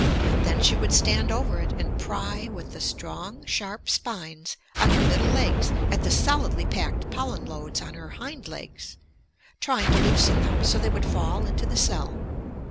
Then she would stand over it and pry with the strong sharp spines on her middle legs at the solidly packed pollen loads on her hind legs, trying to loosen them so they would fall into the cell.